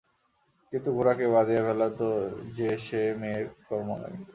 কিন্তু গোরাকে বাঁধিয়া ফেলা তো যে সে মেয়ের কর্ম নয়।